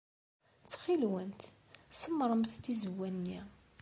Ttxil-went, semmṛemt tizewwa-nni.